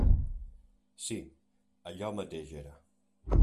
Sí; allò mateix era.